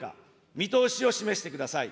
見通しを示してください。